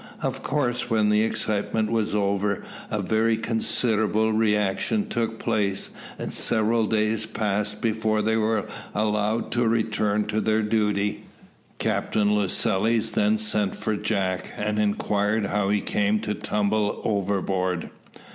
Of course, when the excitement was over, a very considerable reaction took place, and several days passed before they were allowed to return to their duty. Captain Lascelles then sent for Jack, and inquired how he came to tumble overboard?